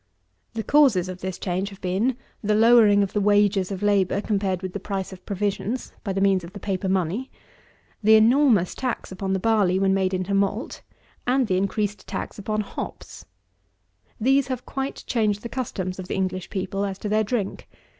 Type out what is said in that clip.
The causes of this change have been the lowering of the wages of labour, compared with the price of provisions, by the means of the paper money; the enormous tax upon the barley when made into malt; and the increased tax upon hops. These have quite changed the customs of the English people as to their drink.